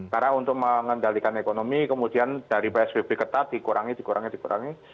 karena untuk mengendalikan ekonomi kemudian dari bsbb ketat dikurangi dikurangi dikurangi